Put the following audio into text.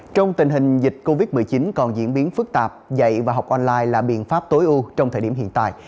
trong tình hình dịch covid một mươi chín còn diễn biến phức tạp dạy và học online là biện pháp tối ưu trong thời điểm hiện tại